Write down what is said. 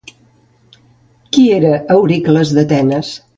Qui era Euricles d'Atenes?